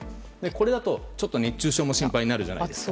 これだと、ちょっと熱中症も心配になるじゃないですか。